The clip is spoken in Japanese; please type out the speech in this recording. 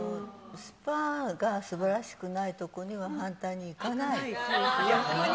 スパがすばらしくないとこには反対に行かない。